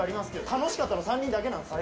楽しかったの３人だけなんですよ。